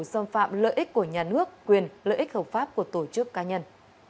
xâm phạm lợi ích của nhà nước quyền lợi ích hợp pháp của tổ chức cá nhân